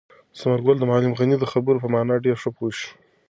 ثمر ګل د معلم غني د خبرو په مانا ډېر ښه پوه شو.